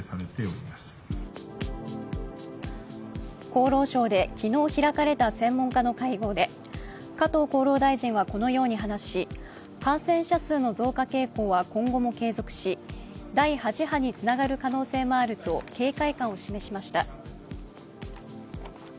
厚労省で昨日開かれた専門家の会合で加藤厚労大臣はこのように話し、感染者数の増加傾向は今後も継続し第８波につながる可能性もあると警戒感を示しました。